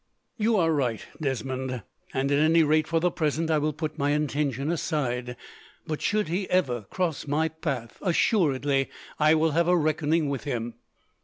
"You are right, Desmond; and, at any rate for the present, I will put my intention aside; but should he ever cross my path, assuredly I will have a reckoning with him.